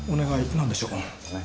何でしょう？